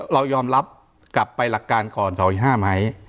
เรายอมรับกลับไปหลักการก่อน๒๔๕ไหม